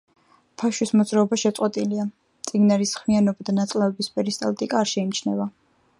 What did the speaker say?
ფაშვის მოძრაობა შეწყვეტილია, წიგნარის ხმიანობა და ნაწლავების პერისტალტიკა არ შეიმჩნევა.